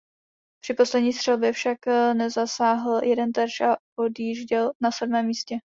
Při poslední střelbě však nezasáhl jeden terč a odjížděl na sedmém místě.